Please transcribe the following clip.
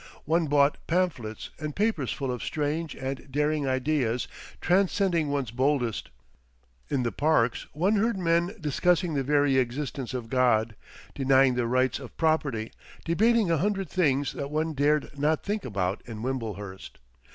One bought pamphlets and papers full of strange and daring ideas transcending one's boldest; in the parks one heard men discussing the very existence of God, denying the rights of property, debating a hundred things that one dared not think about in Wimblehurst.